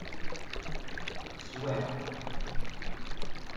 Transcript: Swant-t?